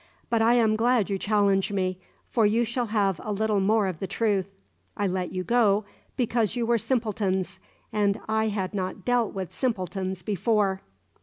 But I am glad you challenge me, for you shall have a little more of the truth. I let you go because you were simpletons, and I had not dealt with simpletons before."